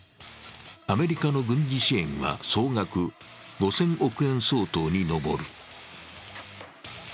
アメリカの軍事支援は総額５０００億円相当に上る。